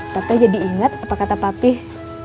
teh teh jadi inget apa kata papih